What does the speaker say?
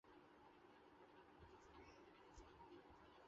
চিঠিতে বলা হয়, যথাযথ প্রস্তুতি ছাড়াই তখন প্রকল্পটি হাতে নেওয়া হয়।